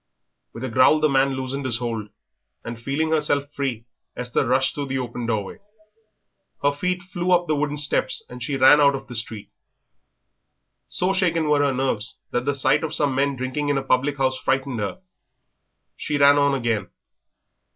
With a growl the man loosed his hold, and feeling herself free Esther rushed through the open doorway. Her feet flew up the wooden steps and she ran out of the street. So shaken were her nerves that the sight of some men drinking in a public house frightened her. She ran on again.